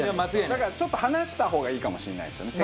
だからちょっと離した方がいいかもしれないですよね